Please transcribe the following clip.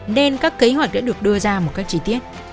nên các kế hoạch đã được đưa ra một cách chi tiết